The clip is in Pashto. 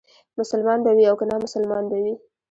مسلمان به وي او که نامسلمان به وي.